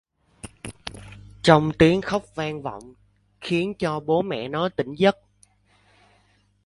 Tiếng khóc vang vọng khiến cho bố mẹ nó tỉnh giấc